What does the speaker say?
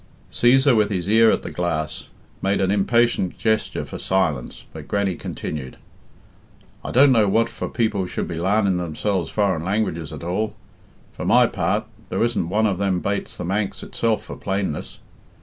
Cæsar, with his ear at the glass, made an impatient gesture for silence, but Grannie continued, "I don't know what for people should be larning themselves foreign languages at all. For my part, there isn't one of them bates the Manx itself for plainness.